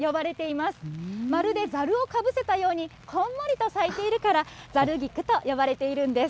まるでざるをかぶせたように、こんもりと咲いているから、ざる菊と呼ばれているんです。